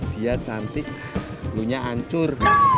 dia cantik lunya ancur